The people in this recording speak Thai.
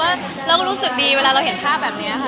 เราก็รู้สึกดีเวลาเราเห็นภาพแบบนี้ค่ะ